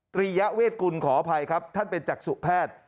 ตรียเวทกุลขออภัยครับท่านเป็นจักษุแพทย์